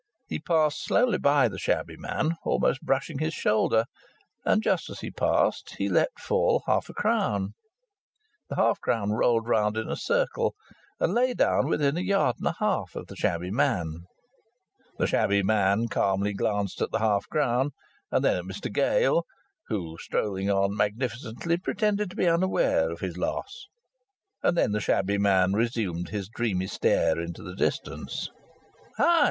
He passed slowly by the shabby man, almost brushing his shoulder; and, just as he passed, he left fall half a crown. The half crown rolled round in a circle and lay down within a yard and a half of the shabby man. The shabby man calmly glanced at the half crown and then at Mr Gale, who, strolling on, magnificently pretended to be unaware of his loss; and then the shabby man resumed his dreamy stare into the distance. "Hi!"